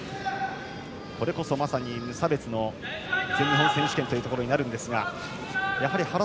これこそまさに無差別の全日本選手権ということになるんですが。